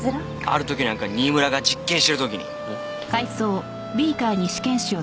ある時なんか新村が実験してる時に。